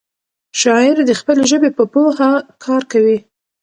شاعر د خپلې ژبې په پوهه کار کوي.